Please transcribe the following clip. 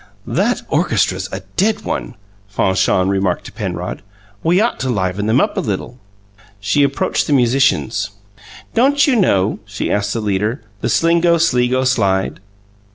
"That orchestra's a dead one," Fanchon remarked to Penrod. "We ought to liven them up a little!" She approached the musicians. "Don't you know," she asked the leader, "the Slingo Sligo Slide?"